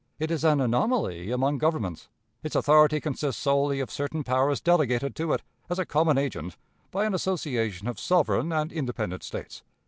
It is an anomaly among governments. Its authority consists solely of certain powers delegated to it, as a common agent, by an association of sovereign and independent States.